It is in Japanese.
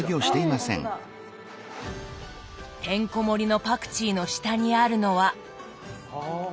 てんこ盛りのパクチーの下にあるのは。